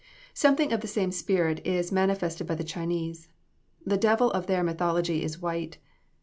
Something of the same spirit is manifested by the Chinese. The devil of their mythology is white.